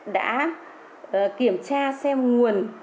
đã kiểm tra xem nguồn